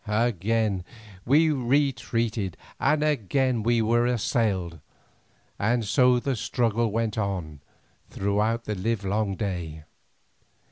Again we retreated and again we were assailed, and so the struggle went on throughout the live long day.